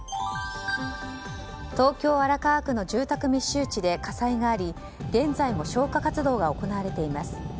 東京・荒川区の住宅密集地で火災があり現在も消火活動が行われています。